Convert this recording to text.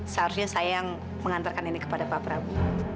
seharusnya saya yang mengantarkan ini kepada pak prabowo